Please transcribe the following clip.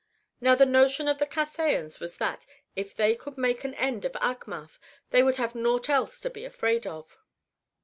Now the notion of the Cathayans was that, if they could make an end of Achmath, they would have nought else to be afraid of.